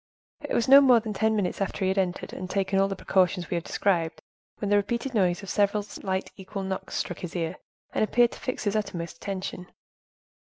It was not more than ten minutes after he had entered, and taken all the precautions we have described, when the repeated noise of several slight equal knocks struck his ear, and appeared to fix his utmost attention.